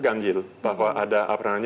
ganjil bahwa ada